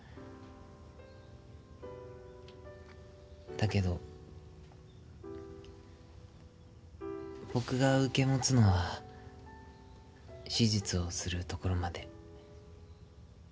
だけど僕が受け持つのは手術をするところまで。